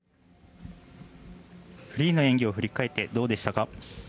フリーの演技を振り返ってどうでしたか？